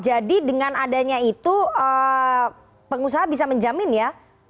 jadi dengan adanya itu pengusaha bisa menjamin ya